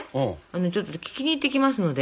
ちょっと聞きに行ってきますので。